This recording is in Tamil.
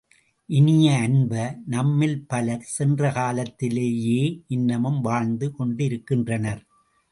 இனிய அன்ப, நம்மில் பலர் சென்ற காலத்திலேயே இன்னமும் வாழ்ந்து கொண்டிருக்கின்றனர்.